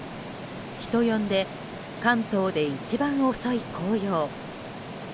人呼んで関東で一番遅い紅葉。